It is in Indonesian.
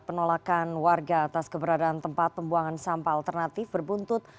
penolakan warga atas keberadaan tempat pembuangan sampah alternatif berbuntut